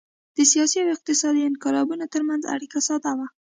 د سیاسي او اقتصادي انقلابونو ترمنځ اړیکه ساده وه